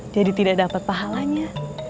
jadi tidak dapat pahalanya